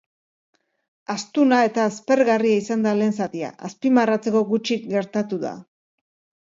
Astuna eta aspergarria izan da lehen zatia, azpimarratzeko gutxi gertatu da.